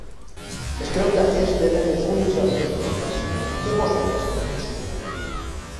Es creu que aquests eren els únics avions militar que posseeix la nació.